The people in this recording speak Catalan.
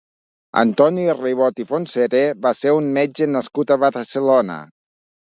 Antoni Ribot i Fontseré va ser un metge nascut a Barcelona.